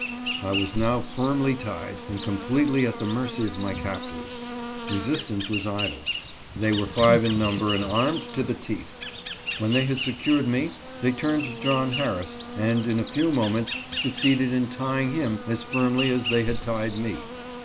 I was now firmly tied, and completely at the mercy of my captors. Resistance was idle. They were five in number and armed to the teeth. When they had secured me, they turned to John Harris and in a few moments succeeded in tying him as firmly as they had tied me.